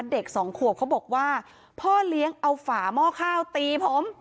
เด็กสองขวบเขาบอกว่าพ่อเลี้ยงเอาฝาหม้อข้าวตีผม